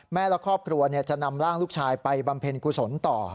และครอบครัวจะนำร่างลูกชายไปบำเพ็ญกุศลต่อ